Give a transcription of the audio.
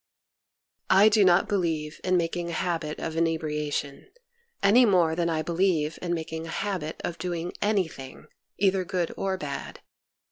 I do not believe in making a habit of inebriation, any more than I believe in making a habit of doing anything, either good or bad.